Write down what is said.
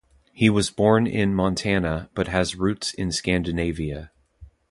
He was born in Montana, but has roots in Scandinavia.